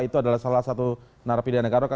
itu adalah salah satu narapidaya negara